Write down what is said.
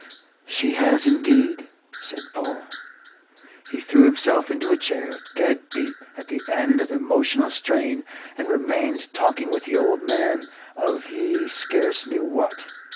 "She has indeed," said Paul. He threw himself into a chair, dead beat, at the end of emotional strain, and remained talking with the old man of he scarce knew what.